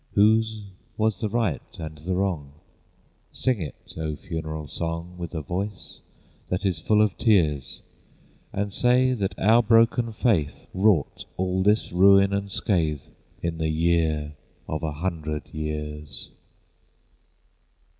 Whose was the right and the wrong? Sing it, O funeral song, With a voice that is full of tears, And say that our broken faith Wrought all this ruin and scathe, In the Year of a Hundred Years.